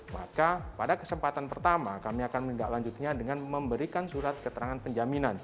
maka pada kesempatan pertama kami akan menindaklanjutinya dengan memberikan surat keterangan penjaminan